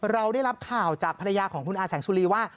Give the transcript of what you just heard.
เราได้รับข่าวจากภรรยาของคุณอาแสงสุรีว่า